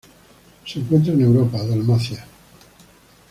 Se encuentra en Europa: Dalmacia.